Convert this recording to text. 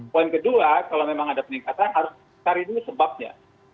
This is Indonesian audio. poin kedua kalau memang ada peningkatan harus cari dulu sebabnya